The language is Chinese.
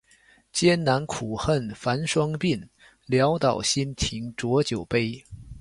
艰难苦恨繁霜鬓，潦倒新停浊酒杯